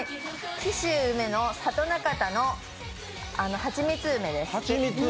紀州梅の里なかたのはちみつ梅です。